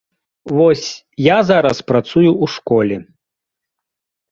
Вось я зараз працую ў школе.